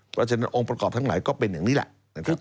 เพราะฉะนั้นองค์ประกอบทั้งหลายก็เป็นอย่างนี้แหละนะครับ